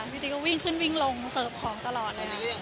วิธีก็วิ่งขึ้นวิ่งลงเสิร์ฟของตลอด